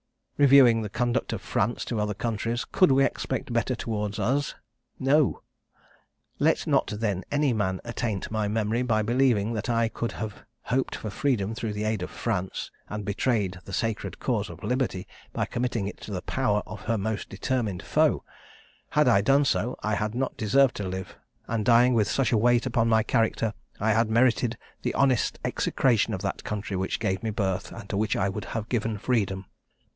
Reviewing the conduct of France to other countries, could we expect better towards us? No! Let not, then, any man attaint my memory by believing that I could have hoped for freedom through the aid of France, and betrayed the sacred cause of liberty, by committing it to the power of her most determined foe: had I done so, I had not deserved to live; and dying with such a weight upon my character, I had merited the honest execration of that country which gave me birth, and to which I would have given freedom.